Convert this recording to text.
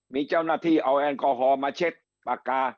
มีเจ้าหน้าที่เอาแอลกอฮอล์มาเช็ดปากกา